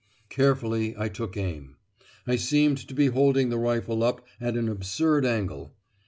Carefully I took aim. I seemed to be holding the rifle up at an absurd angle.